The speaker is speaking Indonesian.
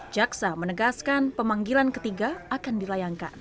jaksa menegaskan pemanggilan ketiga akan dilayangkan